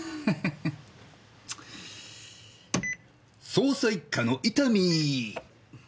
捜査一課の伊丹。